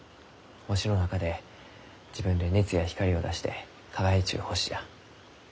星の中で自分で熱や光を出して輝いちゅう星じゃ。